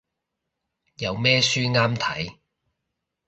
有咩書啱睇